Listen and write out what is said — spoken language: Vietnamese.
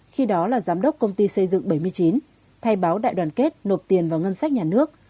khi đó là giám đốc công ty xây dựng bảy mươi chín thay báo đại đoàn kết nộp tiền vào ngân sách nhà nước